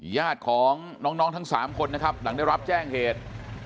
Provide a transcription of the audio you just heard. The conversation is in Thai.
ญาติของน้องทั้ง๓คนนะครับหลังได้รับแจ้งเหตุ